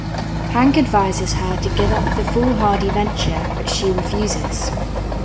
Hank advises her to give up the foolhardy venture, but she refuses.